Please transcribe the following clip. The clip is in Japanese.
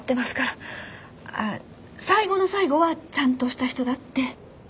ああ最後の最後はちゃんとした人だって。